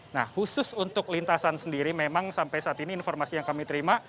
nah khusus untuk lintasan sendiri memang sampai saat ini informasi yang kami terima